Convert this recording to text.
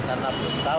ya karena belum tahu